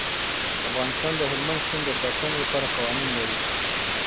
افغانستان د هلمند سیند د ساتنې لپاره قوانین لري.